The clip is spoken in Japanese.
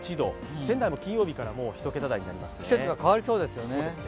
仙台も金曜日から１桁台になりますね。